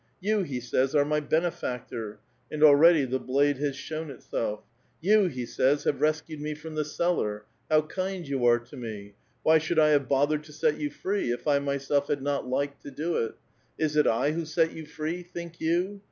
' You,' he says, ' are my benefactor,' and already the blade has shown itself. ' You,' he says, ' have rescued me from the cellar. How kind you are to me !' W^hy should I have bothered to set you free, if I myself had not liked to do it? Is it I who set you free, think you